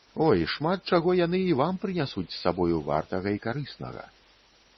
Ой, шмат чаго яны і вам прынясуць з сабою вартага і карыснага.